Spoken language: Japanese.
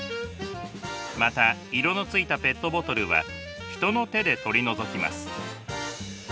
また色のついたペットボトルは人の手で取り除きます。